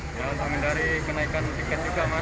ya untuk menghindari kenaikan tiket juga mas